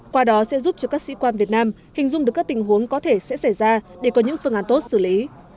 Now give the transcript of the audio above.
qua đó sẽ giúp cho các sĩ quan việt nam hình dung được các tình huống có thể sẽ xảy ra để có những phương án tốt xử lý